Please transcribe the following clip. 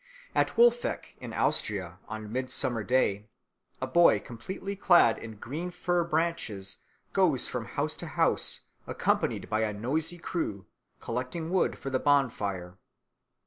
At Wolfeck, in Austria, on Midsummer Day, a boy completely clad in green fir branches goes from house to house, accompanied by a noisy crew, collecting wood for the bonfire.